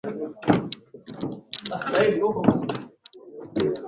Sipendi kupangiwa maisha yangu.